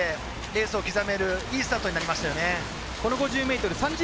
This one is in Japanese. レースを刻めるいいスタートになりました。